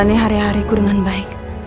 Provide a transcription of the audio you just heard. dan nih hari hariku dengan baik